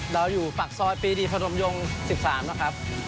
เราอยู่ปากซอยปีดีพนมยง๑๓นะครับ